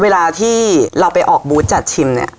เวลาที่เราไปออกบูธจัดชิมเนี่ย